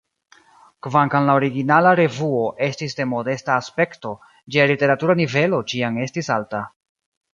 Kvankam la originala revuo estis de modesta aspekto, ĝia literatura nivelo ĉiam estis alta.